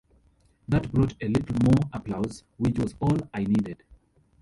That brought a little more applause, which was all I needed.